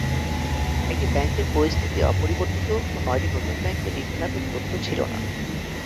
একটি ব্যাংকের পরিস্থিতি অপরিবর্তিত ও নয়টি নতুন ব্যাংকের ঋণখেলাপের তথ্য ছিল না।